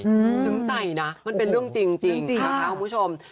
ซึ้งใจนะมันเป็นเรื่องจริงนะคะคุณผู้ชม